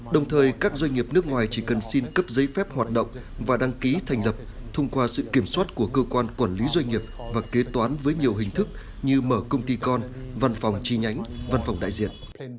đồng thời các doanh nghiệp nước ngoài chỉ cần xin cấp giấy phép hoạt động và đăng ký thành lập thông qua sự kiểm soát của cơ quan quản lý doanh nghiệp và kế toán với nhiều hình thức như mở công ty con văn phòng chi nhánh văn phòng đại diện